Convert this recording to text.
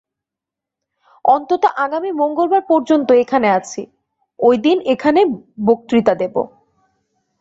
অন্তত আগামী মঙ্গলবার পর্যন্ত এখানে আছি, ঐদিন এখানে বক্তৃতা দেব।